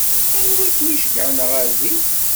Anwa i kem-iceyyɛen ɣer din?